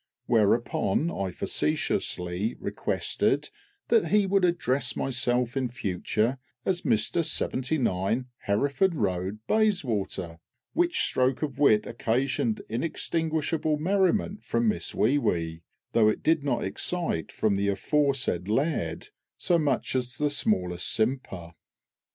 Whereupon I facetiously requested that he would address myself in future as "Mister Seventy nine, Hereford Road, Bayswater," which stroke of wit occasioned inextinguishable merriment from Miss WEE WEE, though it did not excite from the aforesaid laird so much as the smallest simper!